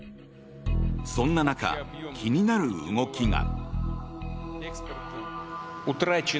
そんな中、気になる動きが。